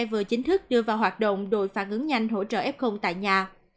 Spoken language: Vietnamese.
vừa chính thức đưa vào hoạt động đội phản ứng nhanh hỗ trợ f tại nhà